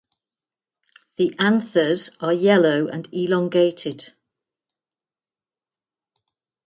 The anthers are yellow and elongated.